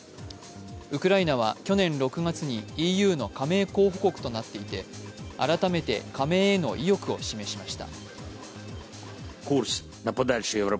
ウクライナは去年６月にＥＵの加盟候補国となっていて改めて加盟への意欲を示しました。